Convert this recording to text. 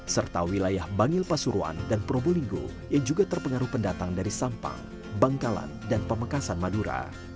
serta wilayah bangil pasuruan dan probolinggo yang juga terpengaruh pendatang dari sampang bangkalan dan pamekasan madura